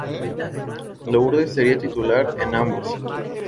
Lourdes sería titular en ambos.